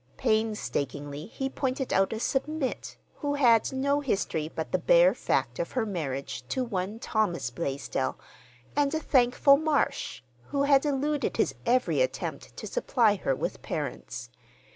Painstakingly he pointed out a "Submit," who had no history but the bare fact of her marriage to one Thomas Blaisdell, and a "Thankful Marsh," who had eluded his every attempt to supply her with parents.